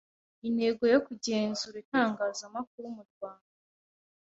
intego yo kugenzura itangazamakuru murwanda